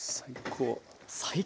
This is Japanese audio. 最高！